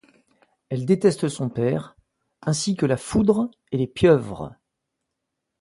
Elle déteste son père, ainsi que la foudre et les pieuvres.